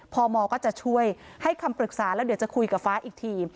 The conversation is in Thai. พมก็จะช่วยให้คำปรึกษาแล้วเดี๋ยวจะคุยกับฟ้าอีกที